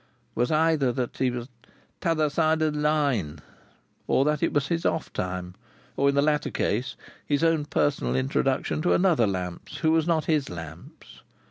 was, either that he was "t'other side the line," or, that it was his off time, or (in the latter case), his own personal introduction to another Lamps who was not his Lamps.